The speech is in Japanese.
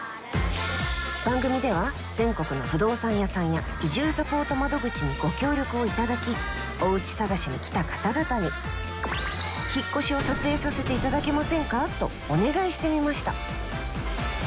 番組では全国の不動産屋さんや移住サポート窓口にご協力をいただきおうち探しに来た方々に引っ越しを撮影させていただけませんか？とお願いしてみました。